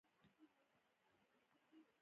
نور اروپايي قدرتونه به ګټه واخلي.